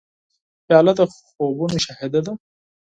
پیاله د خوبونو شاهد ده.